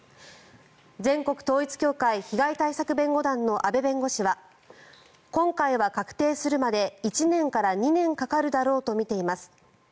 全国統一教会被害対策弁護団の阿部弁護士は今回は確定するまで１年から２年かかるだろうとみています。